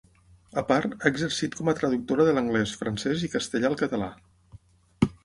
A part, ha exercit com a traductora de l'anglès, francès i castellà al català.